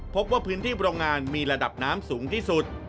พบว่าพื้นที่โรงงานมีระดับน้ำสูงที่สุด